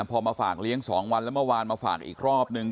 พอมาฝากเลี้ยง๒วันแล้วเมื่อวานมาฝากอีกรอบนึง